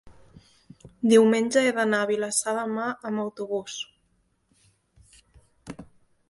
diumenge he d'anar a Vilassar de Mar amb autobús.